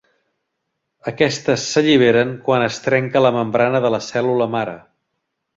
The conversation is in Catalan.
Aquestes s'alliberen quan es trenca la membrana de la cèl·lula mare.